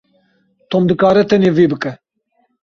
Tom dikare tenê vê bike.